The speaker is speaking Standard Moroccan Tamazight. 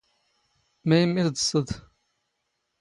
ⵎⴰⵢⵎⵎⵉ ⵜⴹⵚⵚⴷ?